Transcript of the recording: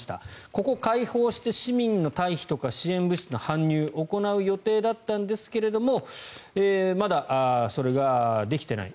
ここ、開放して市民の退避とか支援物資の搬入を行う予定だったんですがまだそれができていない。